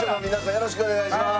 よろしくお願いします。